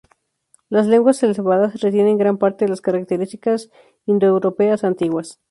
Las lenguas eslavas retienen gran parte de las características indoeuropeas antiguas.